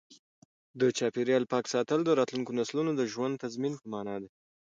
د چاپیریال پاک ساتل د راتلونکو نسلونو د ژوند د تضمین په مانا دی.